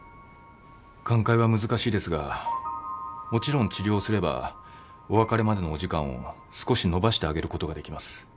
寛解は難しいですがもちろん治療をすればお別れまでのお時間を少しのばしてあげることができます。